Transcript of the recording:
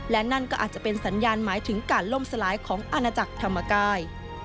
และนั่นก็อาจจะเป็นสัญญาณหมายถึงการล่มสลายของอาณาจักรธรรมกาย